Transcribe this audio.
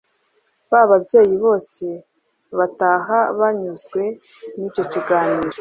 Ba babyeyi bose bataha banyuzwe n’icyo kiganiro